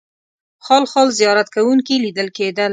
خال خال زیارت کوونکي لیدل کېدل.